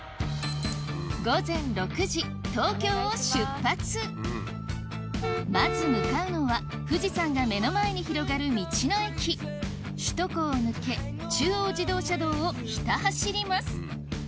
番組まず向かうのは富士山が目の前に広がる道の駅首都高を抜け中央自動車道をひた走ります